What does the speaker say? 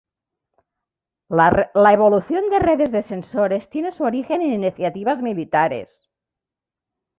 La evolución de redes de sensores tiene su origen en iniciativas militares.